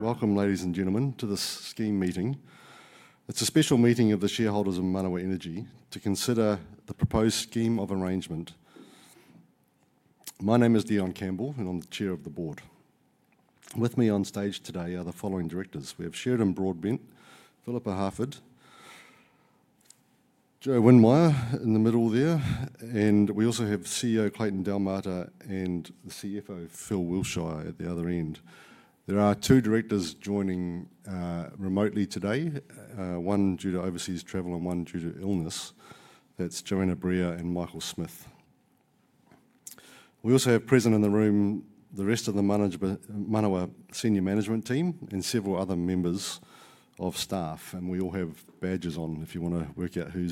Welcome, ladies and gentlemen, to this scheme meeting. It's a special meeting of the shareholders of Manawa Energy to consider the proposed scheme of arrangement. My name is Deion Campbell, and I'm the Chair of the board. With me on stage today are the following directors. We have Sheridan Broadbent, Philippa Harford, Joe Windmire in the middle there, and we also have CEO Clayton Delmarter and CFO Phil Wiltshire at the other end. There are two directors joining remotely today, one due to overseas travel and one due to illness. That's Joanna Brea and Michael Smith. We also have present in the room the rest of the Manawa Senior Management Team and several other members of staff, and we all have badges on if you want to work out who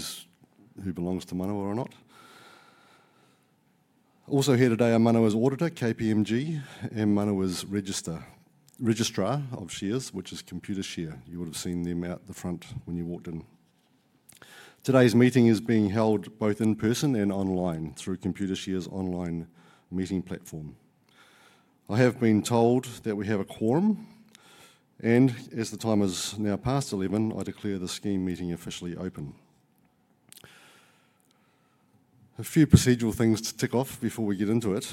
belongs to Manawa or not. Also here today are Manawa's auditor, KPMG, and Manawa's registrar of shares, which is Computershare. You would have seen them out the front when you walked in. Today's meeting is being held both in person and online through Computershare's online meeting platform. I have been told that we have a quorum, and as the time has now passed 11:00 A.M., I declare the scheme meeting officially open. A few procedural things to tick off before we get into it.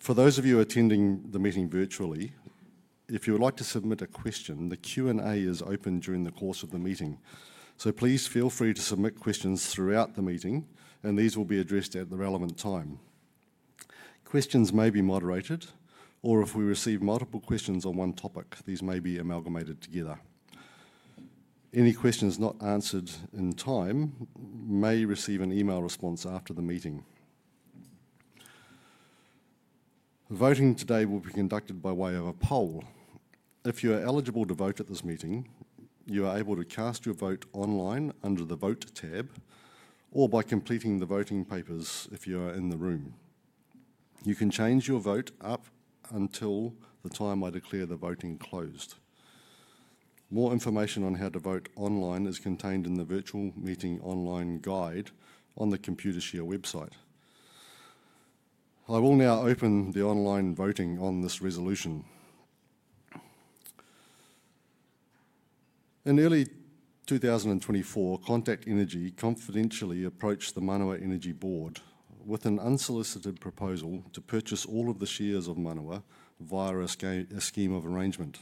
For those of you attending the meeting virtually, if you would like to submit a question, the Q&A is open during the course of the meeting, so please feel free to submit questions throughout the meeting, and these will be addressed at the relevant time. Questions may be moderated, or if we receive multiple questions on one topic, these may be amalgamated together. Any questions not answered in time may receive an email response after the meeting. Voting today will be conducted by way of a poll. If you are eligible to vote at this meeting, you are able to cast your vote online under the Vote tab or by completing the voting papers if you are in the room. You can change your vote up until the time I declare the voting closed. More information on how to vote online is contained in the virtual meeting online guide on the Computershare website. I will now open the online voting on this resolution. In early 2024, Contact Energy confidentially approached the Manawa Energy Board with an unsolicited proposal to purchase all of the shares of Manawa via a scheme of arrangement.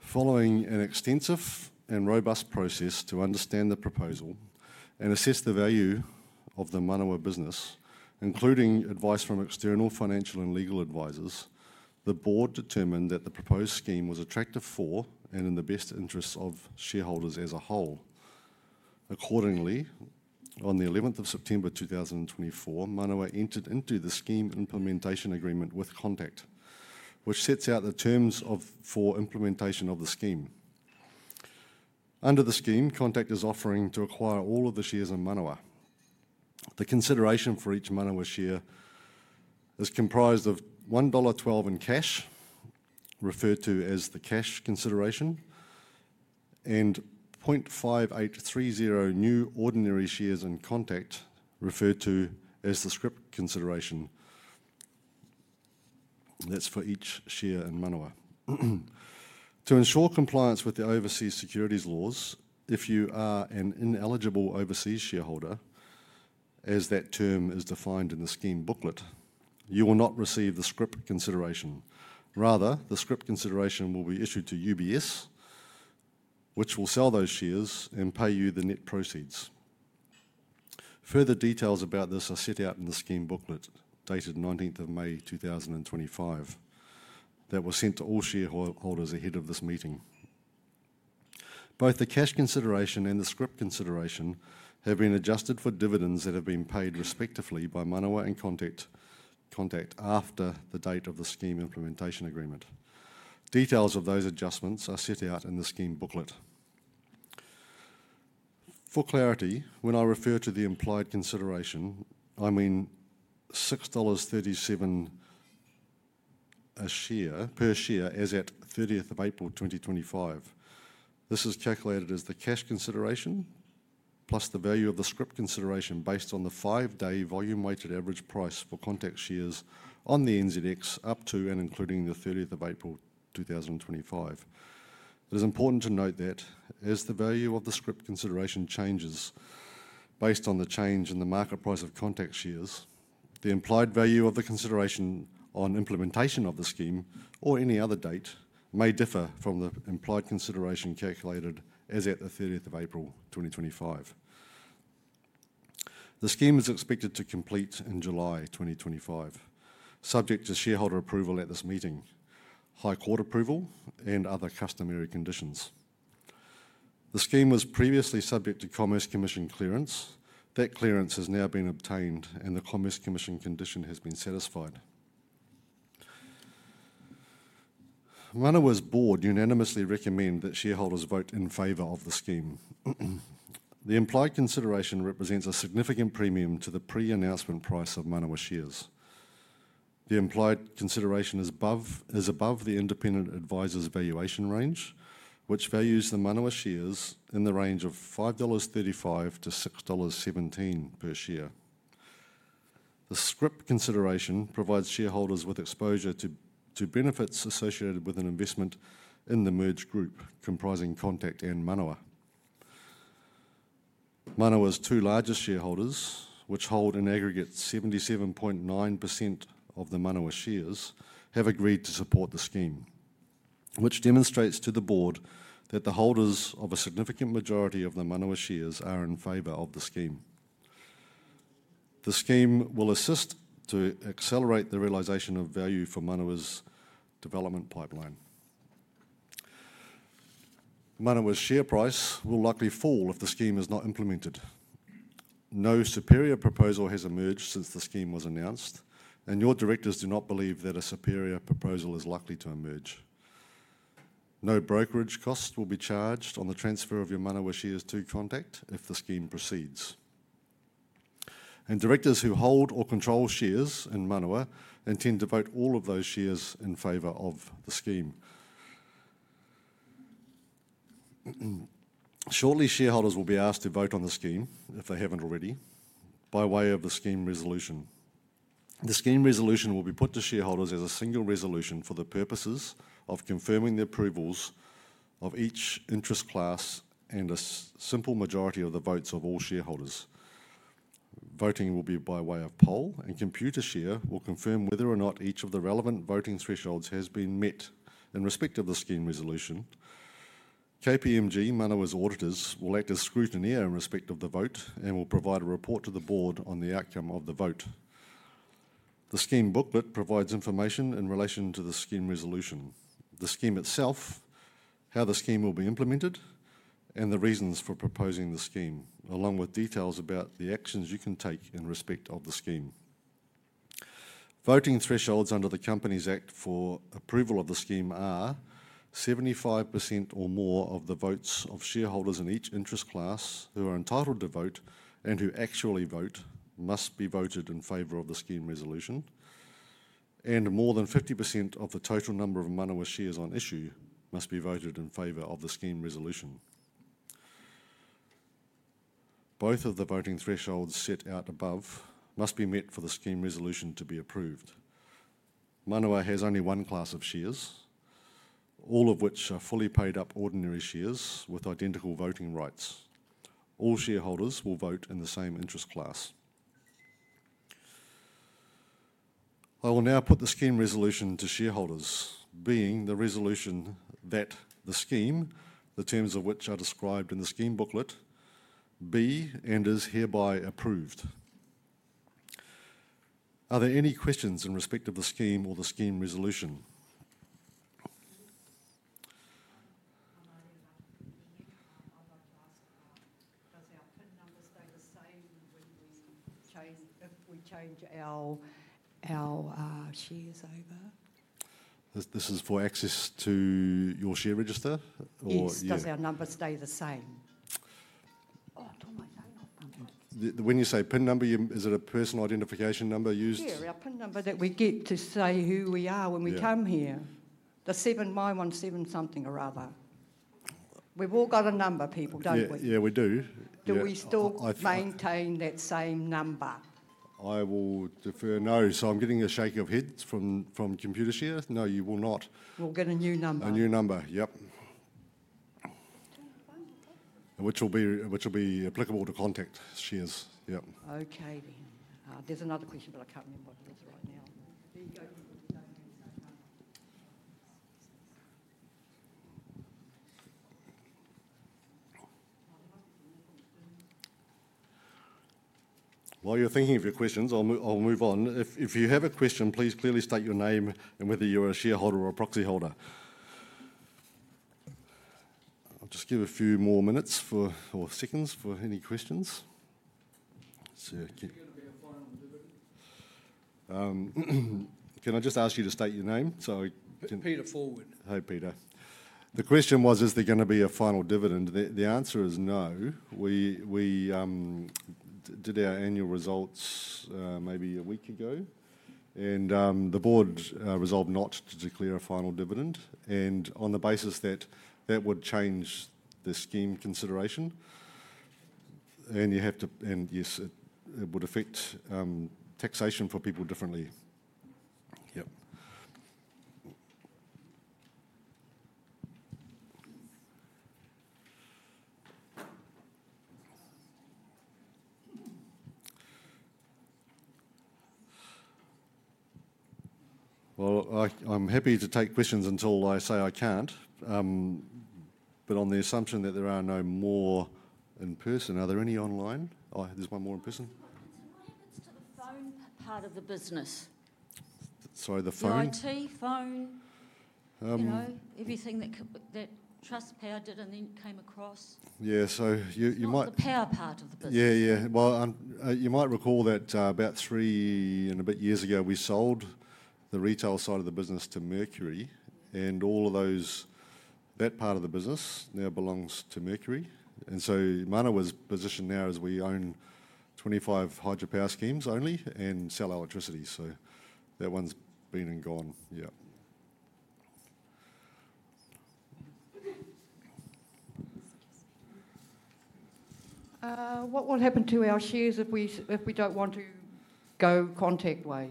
Following an extensive and robust process to understand the proposal and assess the value of the Manawa business, including advice from external financial and legal advisors, the board determined that the proposed scheme was attractive for and in the best interests of shareholders as a whole. Accordingly, on the 11th of September 2024, Manawa entered into the scheme implementation agreement with Contact, which sets out the terms for implementation of the scheme. Under the scheme, Contact is offering to acquire all of the shares of Manawa. The consideration for each Manawa share is comprised of NZD 1.12 in cash, referred to as the cash consideration, and 0.5830 new ordinary shares in Contact, referred to as the scrip consideration. That's for each share in Manawa. To ensure compliance with the overseas securities laws, if you are an ineligible overseas shareholder, as that term is defined in the scheme booklet, you will not receive the scrip consideration. Rather, the scrip consideration will be issued to UBS, which will sell those shares and pay you the net proceeds. Further details about this are set out in the scheme booklet dated 19th of May 2025 that was sent to all shareholders ahead of this meeting. Both the cash consideration and the scrip consideration have been adjusted for dividends that have been paid respectively by Manawa and Contact after the date of the scheme implementation agreement. Details of those adjustments are set out in the scheme booklet. For clarity, when I refer to the implied consideration, I mean $6.37 per share as at 30th of April 2025. This is calculated as the cash consideration plus the value of the scrip consideration based on the five-day volume-weighted average price for Contact shares on the NZX up to and including the 30th of April 2025. It is important to note that as the value of the scrip consideration changes based on the change in the market price of Contact shares, the implied value of the consideration on implementation of the scheme or any other date may differ from the implied consideration calculated as at the 30th of April 2025. The scheme is expected to complete in July 2025, subject to shareholder approval at this meeting, High Court approval, and other customary conditions. The scheme was previously subject to Commerce Commission clearance. That clearance has now been obtained, and the Commerce Commission condition has been satisfied. Manawa's board unanimously recommend that shareholders vote in favor of the scheme. The implied consideration represents a significant premium to the pre-announcement price of Manawa shares. The implied consideration is above the independent advisors' valuation range, which values the Manawa shares in the range of 5.35-6.17 dollars per share. The scrip consideration provides shareholders with exposure to benefits associated with an investment in the merged group comprising Contact and Manawa. Manawa's two largest shareholders, which hold in aggregate 77.9% of the Manawa shares, have agreed to support the scheme, which demonstrates to the board that the holders of a significant majority of the Manawa shares are in favor of the scheme. The scheme will assist to accelerate the realization of value for Manawa's development pipeline. Manawa's share price will likely fall if the scheme is not implemented. No superior proposal has emerged since the scheme was announced, and your directors do not believe that a superior proposal is likely to emerge. No brokerage costs will be charged on the transfer of your Manawa shares to Contact if the scheme proceeds. Directors who hold or control shares in Manawa intend to vote all of those shares in favor of the scheme. Shortly, shareholders will be asked to vote on the scheme, if they have not already, by way of the scheme resolution. The scheme resolution will be put to shareholders as a single resolution for the purposes of confirming the approvals of each interest class and a simple majority of the votes of all shareholders. Voting will be by way of poll, and Computershare will confirm whether or not each of the relevant voting thresholds has been met in respect of the scheme resolution. KPMG, Manawa's auditors, will act as scrutineer in respect of the vote and will provide a report to the board on the outcome of the vote. The scheme booklet provides information in relation to the scheme resolution, the scheme itself, how the scheme will be implemented, and the reasons for proposing the scheme, along with details about the actions you can take in respect of the scheme. Voting thresholds under the Companies Act for approval of the scheme are 75% or more of the votes of shareholders in each interest class who are entitled to vote and who actually vote must be voted in favor of the scheme resolution, and more than 50% of the total number of Manawa shares on issue must be voted in favor of the scheme resolution. Both of the voting thresholds set out above must be met for the scheme resolution to be approved. Manawa has only one class of shares, all of which are fully paid-up ordinary shares with identical voting rights. All shareholders will vote in the same interest class. I will now put the scheme resolution to shareholders, being the resolution that the scheme, the terms of which are described in the scheme booklet, be and is hereby approved. Are there any questions in respect of the scheme or the scheme resolution? I'd like to ask, does our PIN number stay the same when we change our shares over? This is for access to your share register, or? Yes, does our number stay the same? Oh, I don't know. When you say PIN number, is it a personal identification number used? Yeah, our PIN number that we get to say who we are when we come here. The 7917 something or other. We've all got a number, people, don't we? Yeah, we do. Do we still maintain that same number? I will defer no. So I'm getting a shake of heads from Computershare. No, you will not. We'll get a new number. A new number, yep. Which will be applicable to Contact shares. Okay then. There's another question, but I can't remember what it is right now. While you're thinking of your questions, I'll move on. If you have a question, please clearly state your name and whether you're a shareholder or a proxy holder. I'll just give a few more minutes or seconds for any questions. Can I just ask you to state your name? Peter Ford. Hey, Peter. The question was, is there going to be a final dividend? The answer is no. We did our annual results maybe a week ago, and the board resolved not to declare a final dividend. On the basis that that would change the scheme consideration, and yes, it would affect taxation for people differently. Yep. I am happy to take questions until I say I cannot, but on the assumption that there are no more in person, are there any online? There is one more in person. What happens to the phone part of the business? Sorry, the phone? The IT phone, you know, everything that Trustpower did and then came across. Yeah, so you might. The power part of the business. Yeah, yeah. You might recall that about three and a bit years ago, we sold the retail side of the business to Mercury, and all of those, that part of the business now belongs to Mercury. Manawa's position now is we own 25 hydropower schemes only and sell electricity. That one's been and gone. Yeah. What will happen to our shares if we don't want to go Contact way?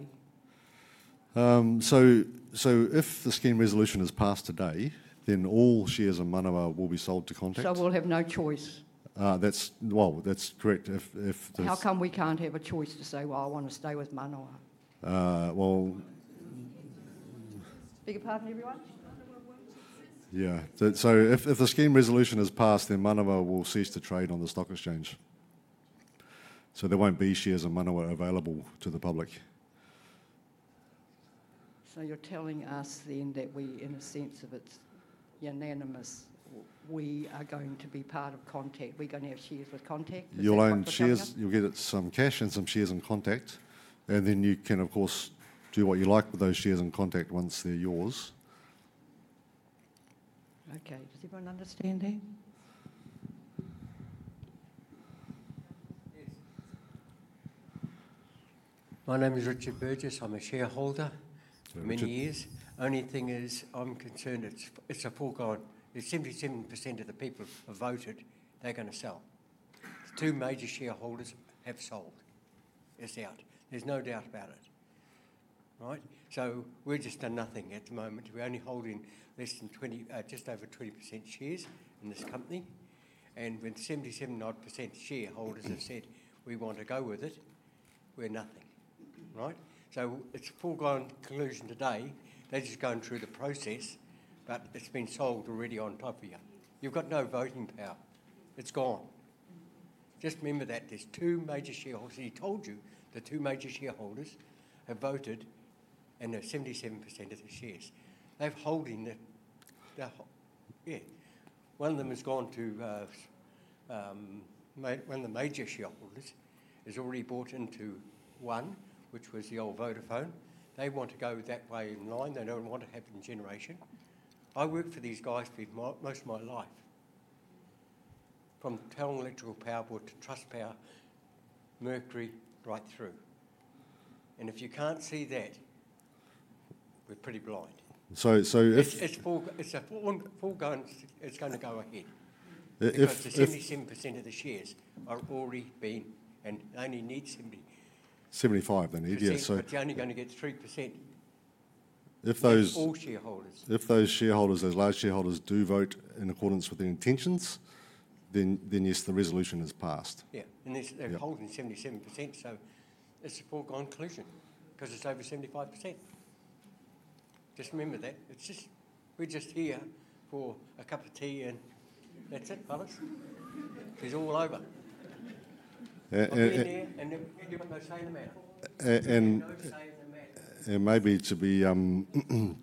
If the scheme resolution is passed today, then all shares of Manawa will be sold to Contact. We'll have no choice. That's correct. How come we can't have a choice to say, well, I want to stay with Manawa? Well. Speak apart from everyone? Yeah. If the scheme resolution is passed, then Manawa will cease to trade on the stock exchange. There won't be shares of Manawa available to the public. So you're telling us then that we, in a sense if it's unanimous, we are going to be part of Contact. We're going to have shares with Contact. You'll own shares. You'll get some cash and some shares in Contact, and then you can, of course, do what you like with those shares in Contact once they're yours. Okay. Does everyone understand that? My name is Richard Burgess. I'm a shareholder for many years. Only thing is I'm concerned it's a foregone. It's 77% of the people have voted. They're going to sell. Two major shareholders have sold. It's out. There's no doubt about it. Right? We're just done nothing at the moment. We're only holding less than 20, just over 20% shares in this company. When 77% shareholders have said we want to go with it, we're nothing. Right? It's a foregone conclusion today. They're just going through the process, but it's been sold already on top of you. You've got no voting power. It's gone. Just remember that there's two major shareholders. He told you the two major shareholders have voted and there's 77% of the shares. They're holding the, yeah. One of them has gone to one of the major shareholders, has already bought into one, which was the old Vodafone. They want to go that way in line. They do not want to have the generation. I worked for these guys for most of my life, from Tau Power Board to Trustpower, Mercury, right through. If you cannot see that, we are pretty blind. So if. It's a foregone. It's going to go ahead. Because the 77% of the shares are already being and only need 70. 75, they need, yeah. They're only going to get 3%. If those. All shareholders. If those shareholders, those large shareholders do vote in accordance with their intentions, then yes, the resolution is passed. Yeah. They're holding 77%, so it's a foregone conclusion because it's over 75%. Just remember that. We're just here for a cup of tea and that's it, fellas. It's all over. They're not going to say anything about it. Maybe to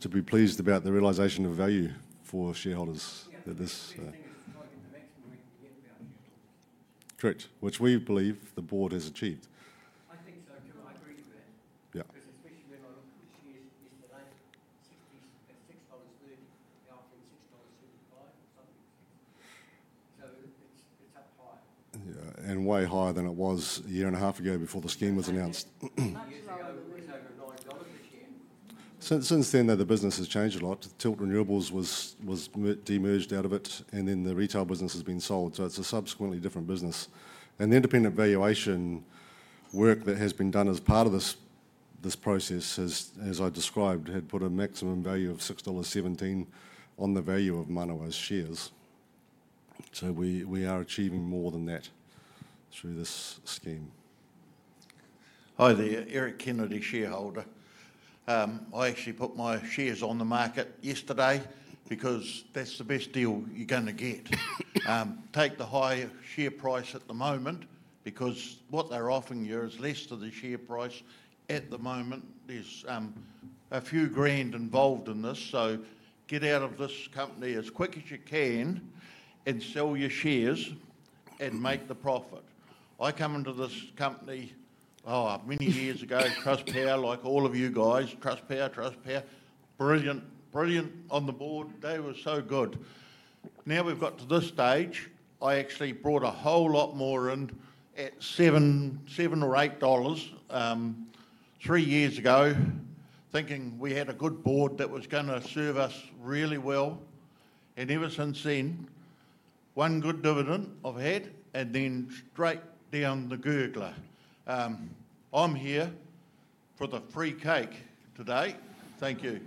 be pleased about the realisation of value for shareholders. Yeah. That this. I think it's tightened the maximum we can get about shareholders. Correct, which we believe the board has achieved. I think so, too. I agree with that. Yeah. Because especially when I looked at the shares yesterday, $6.30, now I've seen $6.75, something fixed. So it's up high. Yeah. Way higher than it was a year and a half ago before the scheme was announced. It's over $9 a share. Since then, the business has changed a lot. Tilt Renewables was de-merged out of it, and then the retail business has been sold. It is a subsequently different business. The independent valuation work that has been done as part of this process, as I described, had put a maximum value of 6.17 dollars on the value of Manawa's shares. We are achieving more than that through this scheme. Hi, there. Eric Kennedy, shareholder. I actually put my shares on the market yesterday because that's the best deal you're going to get. Take the high share price at the moment because what they're offering you is less than the share price at the moment. There's a few grand involved in this. Get out of this company as quick as you can and sell your shares and make the profit. I come into this company, oh, many years ago, Trustpower, like all of you guys, Trustpower, Trustpower, brilliant, brilliant on the board. They were so good. Now we've got to this stage. I actually brought a whole lot more in at $7 or $8 three years ago, thinking we had a good board that was going to serve us really well. Ever since then, one good dividend I've had and then straight down the gurgler. I'm here for the free cake today. Thank you.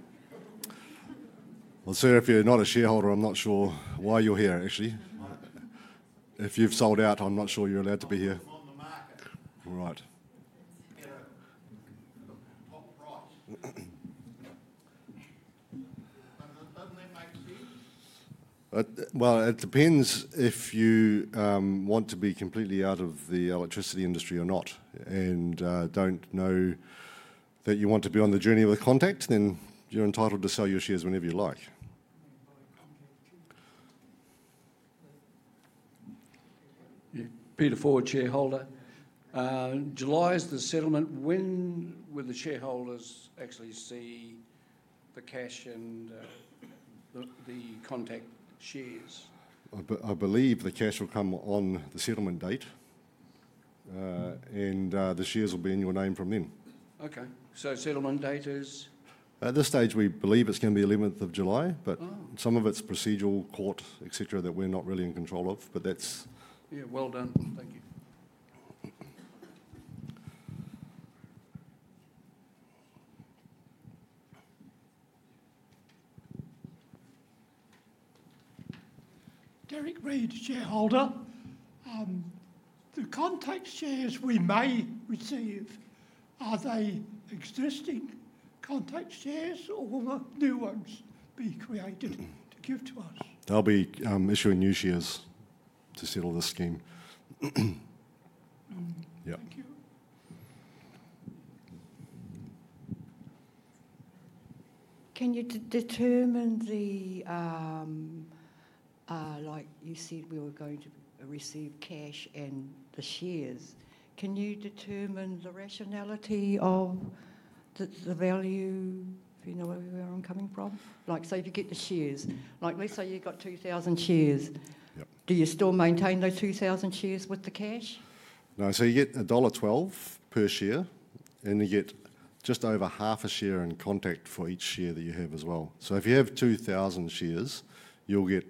Sir, if you're not a shareholder, I'm not sure why you're here, actually. If you've sold out, I'm not sure you're allowed to be here. I'm on the market. Right. Get a top price. Doesn't that make sense? It depends if you want to be completely out of the electricity industry or not. I do not know that you want to be on the journey with Contact, then you are entitled to sell your shares whenever you like. July is the settlement. When will the shareholders actually see the cash and the Contact shares? I believe the cash will come on the settlement date, and the shares will be in your name from then. Okay. So settlement date is? At this stage, we believe it's going to be 11th of July, but some of it's procedural, court, etc., that we're not really in control of, but that's. Yeah. Well done. Thank you. The Contact shares we may receive, are they existing Contact shares, or will new ones be created to give to us? I'll be issuing new shares to settle this scheme. Yeah. Thank you. Can you determine the, like you said, we were going to receive cash and the shares. Can you determine the rationality of the value, if you know where I'm coming from? Like, so if you get the shares, like let's say you've got 2,000 shares. Do you still maintain those 2,000 shares with the cash? No. So you get $1.12 per share, and you get just over half a share in Contact for each share that you have as well. So if you have 2,000 shares, you'll get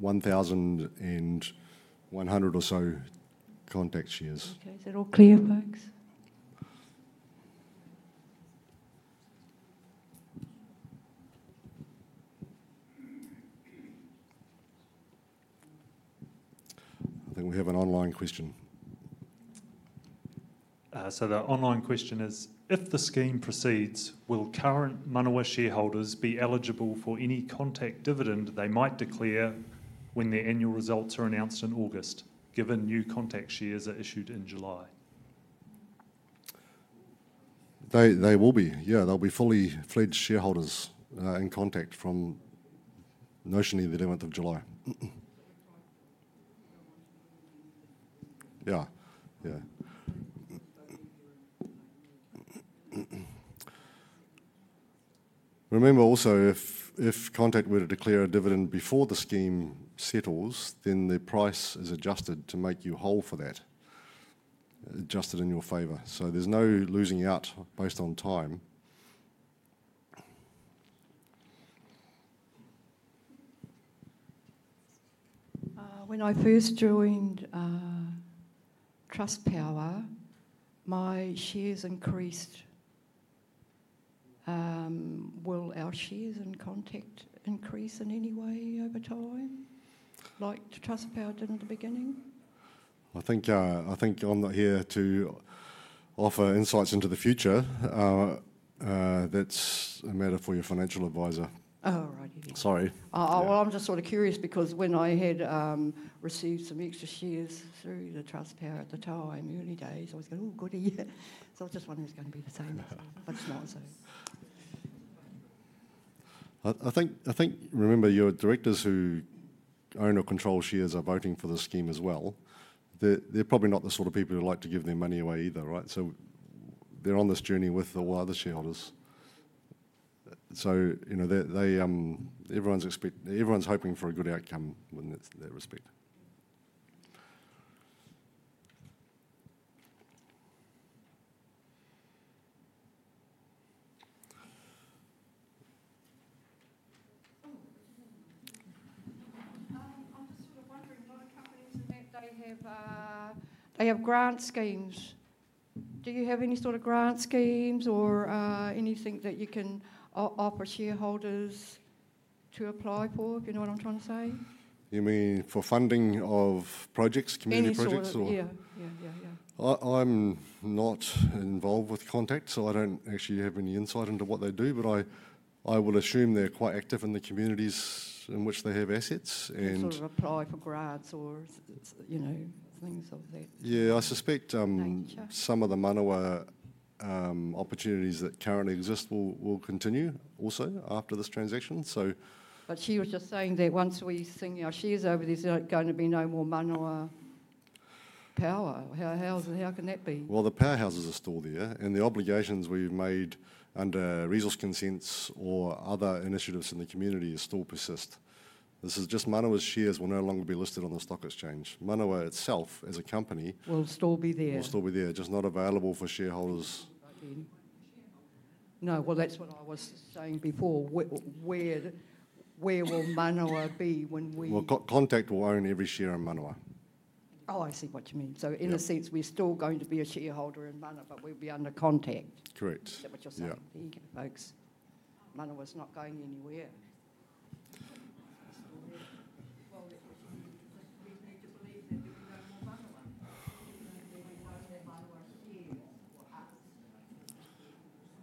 1,100 or so Contact shares. Okay. Is that all clear, folks? I think we have an online question. The online question is, if the scheme proceeds, will current Manawa shareholders be eligible for any Contact dividend they might declare when the annual results are announced in August, given new Contact shares are issued in July? They will be. Yeah. They'll be fully fledged shareholders in Contact from notionally the 11th of July. Yeah. Yeah. Remember also, if Contact were to declare a dividend before the scheme settles, then the price is adjusted to make you whole for that, adjusted in your favor. There is no losing out based on time. When I first joined Trustpower, my shares increased. Will our shares in Contact increase in any way over time, like Trustpower did in the beginning? I think I'm not here to offer insights into the future. That's a matter for your financial advisor. Oh, right. Sorry. I'm just sort of curious because when I had received some extra shares through the Trustpower at the time, early days, I was going, "Oh, goody." I just wonder if it's going to be the same. It's not, so. I think, remember, your directors who own or control shares are voting for the scheme as well. They're probably not the sort of people who like to give their money away either, right? They're on this journey with all other shareholders. Everyone's hoping for a good outcome in that respect. I'm just sort of wondering, a lot of companies in that, they have grant schemes. Do you have any sort of grant schemes or anything that you can offer shareholders to apply for, if you know what I'm trying to say? You mean for funding of projects, community projects, or? Yeah. I'm not involved with Contact, so I don't actually have any insight into what they do, but I will assume they're quite active in the communities in which they have assets. Sort of apply for grants or things like that. Yeah. I suspect some of the Manawa opportunities that currently exist will continue also after this transaction. She was just saying that once we sign our shares over, there's going to be no more Manawa Energy. How can that be? The powerhouses are still there, and the obligations we've made under resource consents or other initiatives in the community still persist. This is just Manawa's shares will no longer be listed on the stock exchange. Manawa itself as a company. Will still be there. Will still be there, just not available for shareholders. No. That's what I was saying before. Where will Manawa be when we. Contact will own every share in Manawa. Oh, I see what you mean. So in a sense, we're still going to be a shareholder in Manawa, but we'll be under Contact. Correct. Is that what you're saying? There you go, folks. Manawa's not going anywhere. We need to believe that there'll be no more Manawa. We're going to own Manawa shares for us.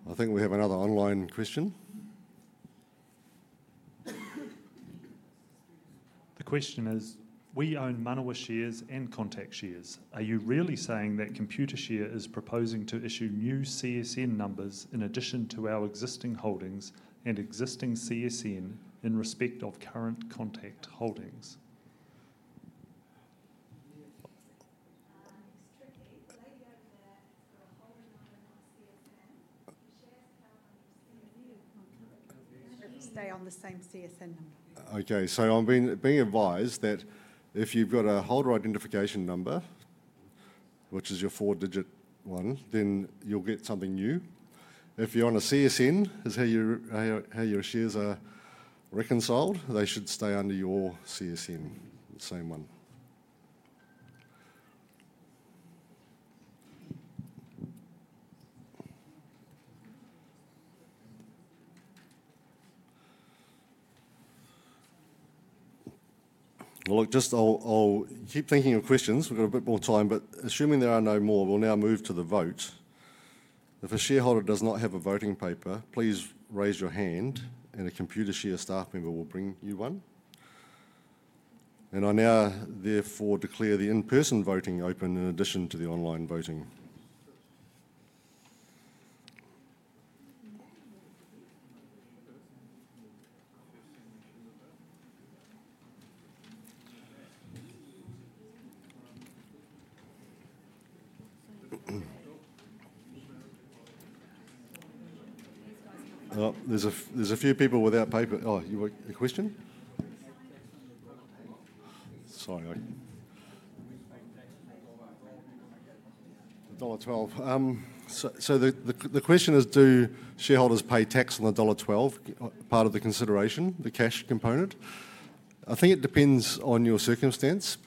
I think we have another online question. The question is, "We own Manawa shares and Contact shares. Are you really saying that Computershare is proposing to issue new CSN numbers in addition to our existing holdings and existing CSN in respect of current Contact holdings? It's tricky. The lady over there got a holder identification number, not a CSN. She shares her number. Stay on the same CSN number. Okay. So I'm being advised that if you've got a holder identification number, which is your four-digit one, then you'll get something new. If you're on a CSN, is how your shares are reconciled, they should stay under your CSN, the same one. Just I'll keep thinking of questions. We've got a bit more time, but assuming there are no more, we'll now move to the vote. If a shareholder does not have a voting paper, please raise your hand, and a Computershare staff member will bring you one. I now therefore declare the in-person voting open in addition to the online voting. There's a few people without paper. Oh, you want a question? Sorry. $1.12. The question is, do shareholders pay tax on the $1.12 part of the consideration, the cash component? I think it depends on your circumstance,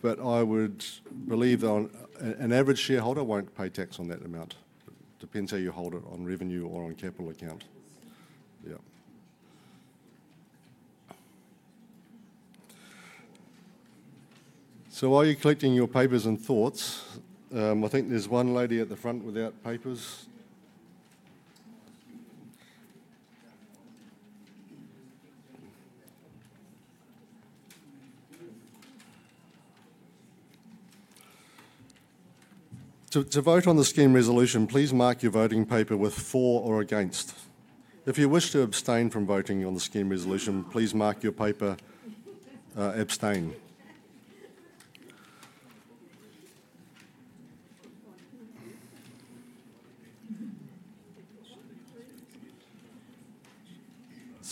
but I would believe that an average shareholder won't pay tax on that amount. It depends how you hold it, on revenue or on capital account. Yeah. While you're collecting your papers and thoughts, I think there's one lady at the front without papers. To vote on the scheme resolution, please mark your voting paper with for or against. If you wish to abstain from voting on the scheme resolution, please mark your paper abstain.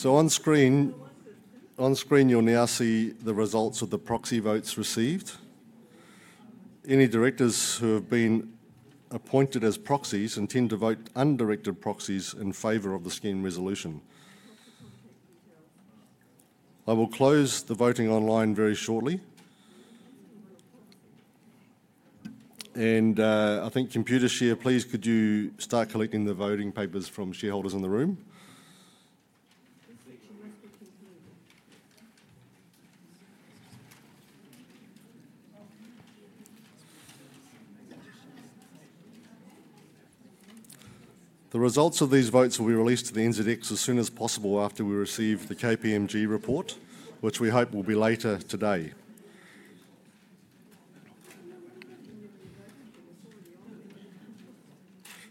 On screen, you'll now see the results of the proxy votes received. Any directors who have been appointed as proxies intend to vote undirected proxies in favor of the scheme resolution. I will close the voting online very shortly. I think Computershare, please, could you start collecting the voting papers from shareholders in the room? The results of these votes will be released to the NZX as soon as possible after we receive the KPMG report, which we hope will be later today.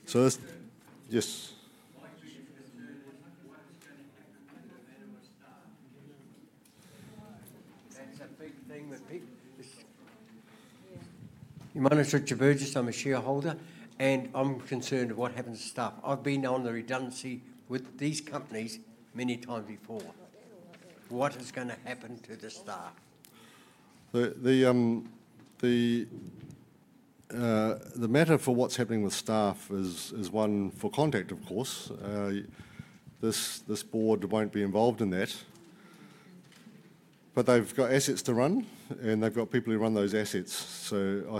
Yes. Manager of Chabran, I'm concerned with what happens to any company that Manawa start. That's a big thing that people. Yeah. You, manager of Chabran, just I'm a shareholder, and I'm concerned of what happens to staff. I've been on the redundancy with these companies many times before. What is going to happen to the staff? The matter for what's happening with staff is one for Contact, of course. This board won't be involved in that, but they've got assets to run, and they've got people who run those assets. I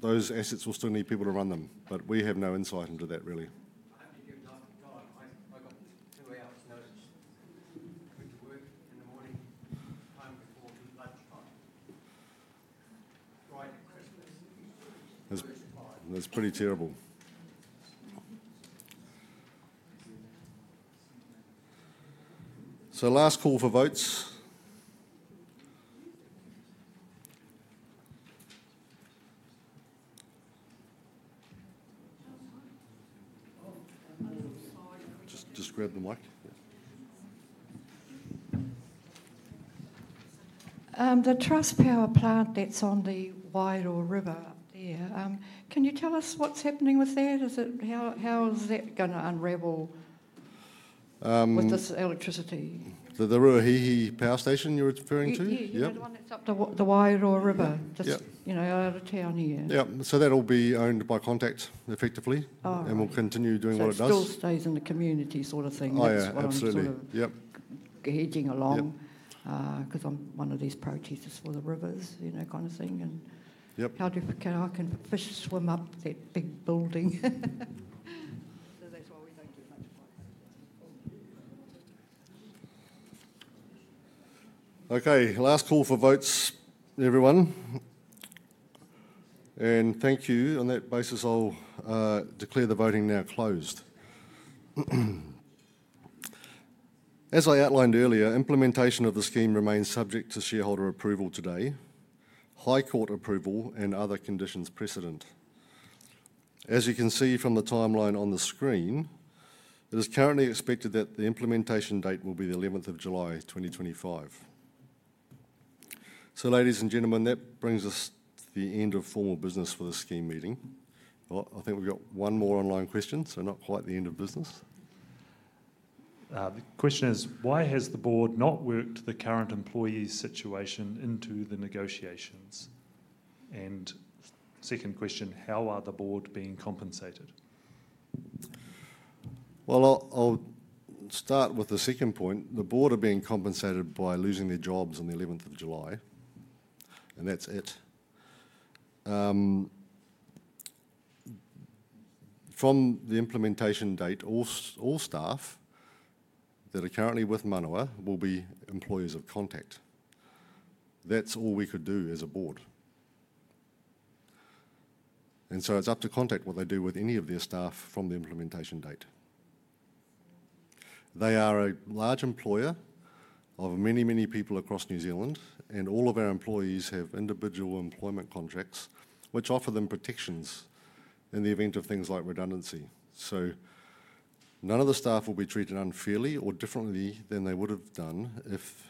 suspect those assets will still need people to run them, but we have no insight into that, really. I've been here dusk till dawn. I got two hours' notice. I went to work in the morning, time before lunchtime. Right at Christmas. That's pretty terrible. Last call for votes. Just grab the mic. The Trustpower plant that's on the Wairoa River up there, can you tell us what's happening with that? How is that going to unravel with this electricity? The Ruahihi Power Station you're referring to? Yeah. The one that's up the Wairoa River, just out of town here. Yeah. That'll be owned by Contact, effectively, and will continue doing what it does. It still stays in the community sort of thing. Oh, yeah. Absolutely. It's what I'm sort of hedging along because I'm one of these pro-teasers for the rivers, you know, kind of thing. How can fish swim up that big building? Okay. Last call for votes, everyone. Thank you. On that basis, I'll declare the voting now closed. As I outlined earlier, implementation of the scheme remains subject to shareholder approval today, High Court approval, and other conditions precedent. As you can see from the timeline on the screen, it is currently expected that the implementation date will be the 11th of July, 2025. Ladies and gentlemen, that brings us to the end of formal business for the scheme meeting. I think we've got one more online question, so not quite the end of business. The question is, why has the board not worked the current employee situation into the negotiations? Second question, how are the board being compensated? I'll start with the second point. The board are being compensated by losing their jobs on the 11th of July, and that's it. From the implementation date, all staff that are currently with Manawa will be employees of Contact. That's all we could do as a board. It is up to Contact what they do with any of their staff from the implementation date. They are a large employer of many, many people across New Zealand, and all of our employees have individual employment contracts which offer them protections in the event of things like redundancy. None of the staff will be treated unfairly or differently than they would have done if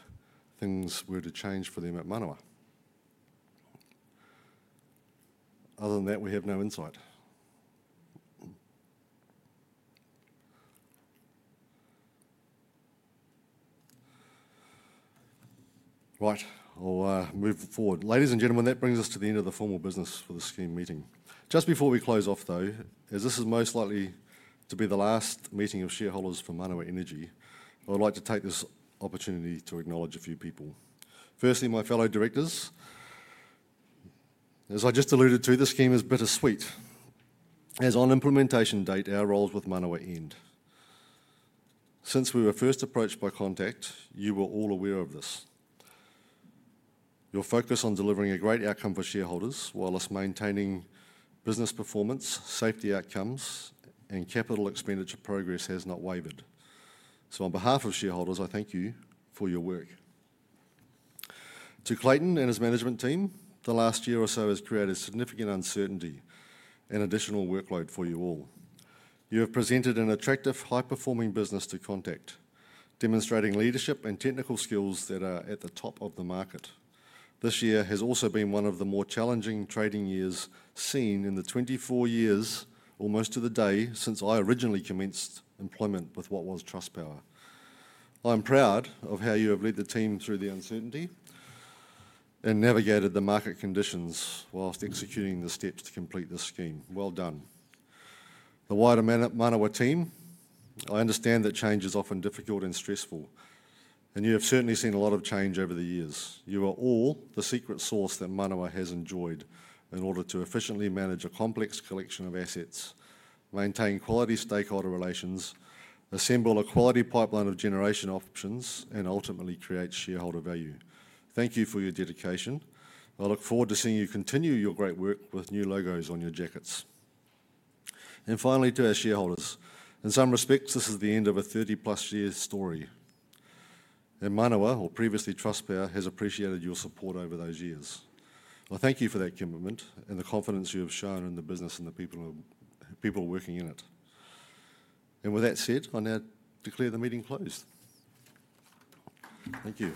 things were to change for them at Manawa. Other than that, we have no insight. Right. I'll move forward. Ladies and gentlemen, that brings us to the end of the formal business for the scheme meeting. Just before we close off, though, as this is most likely to be the last meeting of shareholders for Manawa Energy, I would like to take this opportunity to acknowledge a few people. Firstly, my fellow directors, as I just alluded to, the scheme is bittersweet. As on implementation date, our roles with Manawa end. Since we were first approached by Contact, you were all aware of this. Your focus on delivering a great outcome for shareholders while us maintaining business performance, safety outcomes, and capital expenditure progress has not wavered. So on behalf of shareholders, I thank you for your work. To Clayton and his management team, the last year or so has created significant uncertainty and additional workload for you all. You have presented an attractive, high-performing business to Contact, demonstrating leadership and technical skills that are at the top of the market. This year has also been one of the more challenging trading years seen in the 24 years almost to the day since I originally commenced employment with what was Trustpower. I am proud of how you have led the team through the uncertainty and navigated the market conditions whilst executing the steps to complete the scheme. Well done. The Wairoa Manawa team, I understand that change is often difficult and stressful, and you have certainly seen a lot of change over the years. You are all the secret sauce that Manawa has enjoyed in order to efficiently manage a complex collection of assets, maintain quality stakeholder relations, assemble a quality pipeline of generation options, and ultimately create shareholder value. Thank you for your dedication. I look forward to seeing you continue your great work with new logos on your jackets. In some respects, this is the end of a 30-plus-year story. Manawa, or previously Trustpower, has appreciated your support over those years. I thank you for that commitment and the confidence you have shown in the business and the people working in it. With that said, I now declare the meeting closed. Thank you.